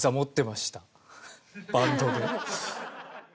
バンドで。